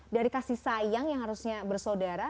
dari kasih sayang yang harusnya bersaudara